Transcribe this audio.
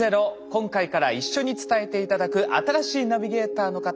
今回から一緒に伝えて頂く新しいナビゲーターの方